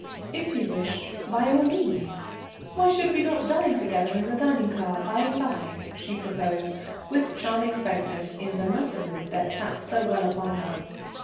"If you wish, by all means. Why should we not dine together in the dining car by and by?" she proposed with charming frankness, in the lighter mood that sat so well upon her.